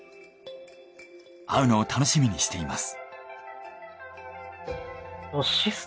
会うのを楽しみにしています。